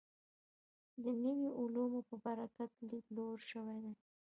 د نویو علومو په برکت لید لوړ شوی دی.